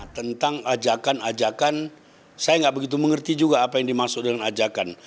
tentang ajakan ajakan saya nggak begitu mengerti juga apa yang dimaksud dengan ajakan